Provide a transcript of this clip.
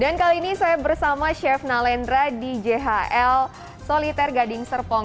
dan kali ini saya bersama chef nalendra di jhl solitaire gading serpong